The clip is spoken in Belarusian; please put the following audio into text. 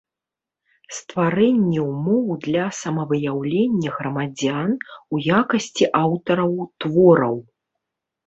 Стварэнне ўмоў для самавыяўлення грамадзян у якасцi аўтараў твораў.